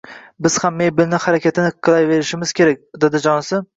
Biz ham mebelni harakatini qilaverishimiz kerak, dadajonisi